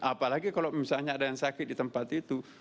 apalagi kalau misalnya ada yang sakit di tempat itu